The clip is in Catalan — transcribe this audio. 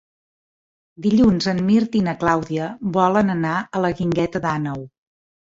Dilluns en Mirt i na Clàudia volen anar a la Guingueta d'Àneu.